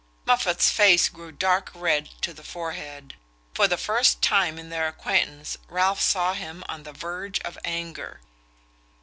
Moffatt's face grew dark red to the forehead: for the first time in their acquaintance Ralph saw him on the verge of anger.